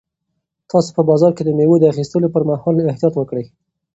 تاسو په بازار کې د مېوو د اخیستلو پر مهال احتیاط وکړئ.